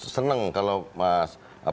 senang kalau mas